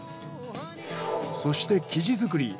そして生地作り。